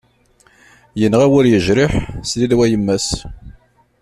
Yenɣa wer yejriḥ, slilew a yemma-s.